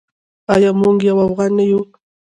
آیا موږ یو افغان نه یو؟